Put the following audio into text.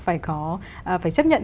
phải có phải chấp nhận